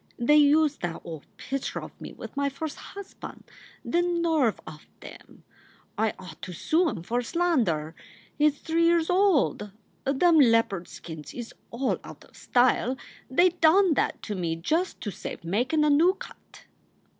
They used that old pitcher of me with my first husban ! The nerve of em! I ought to soo em for slander. It s three years old. Them leopard skins is all out of style. They done that to me just to save makin* a noo cut.